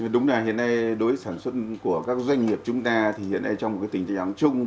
đúng là hiện nay đối với sản xuất của các doanh nghiệp chúng ta thì hiện nay trong một tình trạng chung